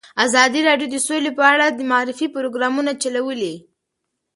ازادي راډیو د سوله په اړه د معارفې پروګرامونه چلولي.